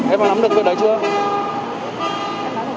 em đã nắm được việc đấy chưa